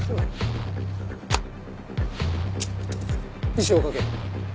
遺書を書け。